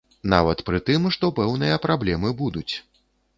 Нават пры тым, што пэўныя праблемы будуць.